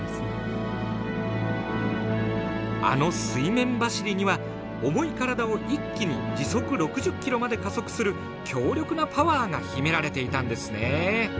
あの水面走りには重い体を一気に時速６０ｋｍまで加速する強力なパワーが秘められていたんですね。